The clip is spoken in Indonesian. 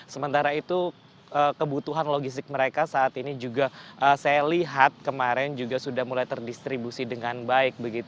sementara itu kebutuhan logistik mereka saat ini juga saya lihat kemarin juga sudah mulai terdistribusi dengan baik